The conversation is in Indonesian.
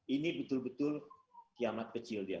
ini betul betul kiamat kecil dia